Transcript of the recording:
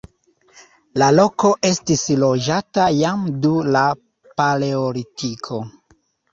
La loko estis loĝata jam dum la paleolitiko.